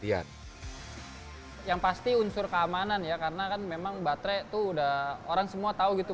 lihat yang pasti unsur keamanan ya karena kan memang baterai tuh udah orang semua tahu gitu